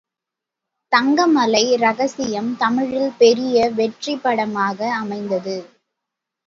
தங்கமலை ரகசியம் தமிழில் பெரிய வெற்றிப்படமாக அமைந்தது.